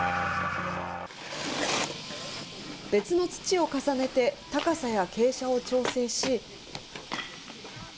別の土を重ねて高さや傾斜を調整し。